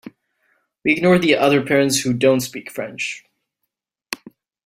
We ignore the other parents who don’t speak French.